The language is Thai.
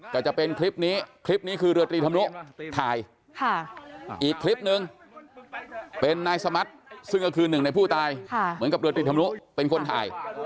ก็จะเป็นคลิปนี้คลิปนี้คือเรือตรีธรรมนุถ่ายอีกคลิปนึงเป็นนายสมัติซึ่งก็คือหนึ่งในผู้ตายเหมือนกับเรือตรีธรรมนุเป็นคนถ่าย